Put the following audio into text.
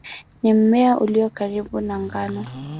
Ni mmea ulio karibu na ngano.